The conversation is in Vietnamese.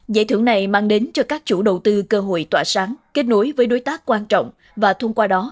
giải thưởng này mang đến cho các chủ đầu tư cơ hội tỏa sáng kết nối với đối tác quan trọng và thông qua đó